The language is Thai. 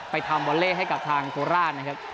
ทำวอลเล่ให้กับทางโคราชนะครับ